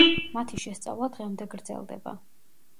მათი შესწავლა დღემდე გრძელდება.